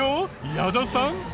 矢田さん。